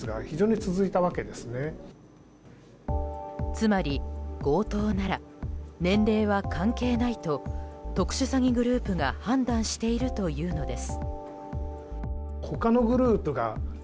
つまり、強盗なら年齢は関係ないと特殊詐欺グループが判断しているというのです。